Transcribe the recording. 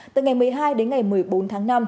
từ ngày một mươi hai đến ngày một mươi bốn tháng năm